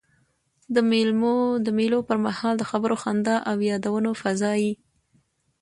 د مېلو پر مهال د خبرو، خندا او یادونو فضا يي.